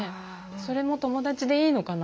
それも友だちでいいのかな？